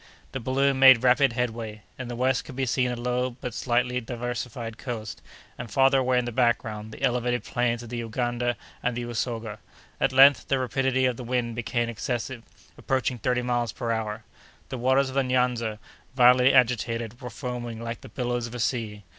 The balloon made rapid headway. In the west could be seen a low and but slightly diversified coast, and, farther away in the background, the elevated plains of the Uganda and the Usoga. At length, the rapidity of the wind became excessive, approaching thirty miles per hour. The waters of the Nyanza, violently agitated, were foaming like the billows of a sea.